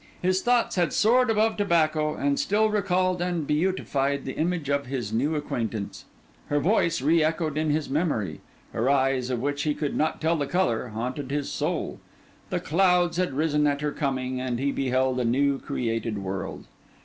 His thoughts had soared above tobacco, and still recalled and beautified the image of his new acquaintance. Her voice re echoed in his memory; her eyes, of which he could not tell the colour, haunted his soul. The clouds had risen at her coming, and he beheld a new created world.